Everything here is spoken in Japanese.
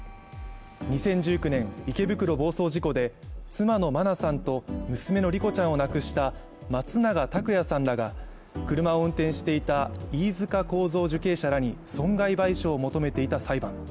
２０１９年、池袋暴走事故で妻の真菜さんと娘の莉子ちゃんを亡くした松永拓也さんらが車を運転していた飯塚幸三受刑者らに損害賠償を求めていた裁判。